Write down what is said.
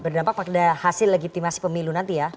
berdampak pada hasil legitimasi pemilu nanti ya